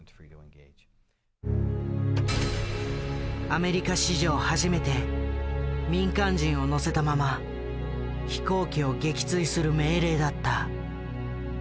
アメリカ史上初めて民間人を乗せたまま飛行機を撃墜する命令だった。